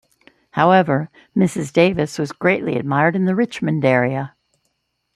However, Mrs. Davis was greatly admired in the Richmond area.